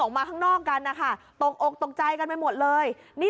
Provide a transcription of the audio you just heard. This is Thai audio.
มาข้างนอกกันนะคะตกอกตกใจกันไปหมดเลยนี่